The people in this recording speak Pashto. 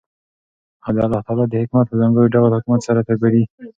او دالله تعالى حكومت په ځانګړي ډول حكومت سره تعبيروي .